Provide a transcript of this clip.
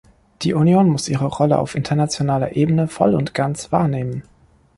Die Union muss ihre Rolle auf internationaler Ebene voll und ganz wahrnehmen.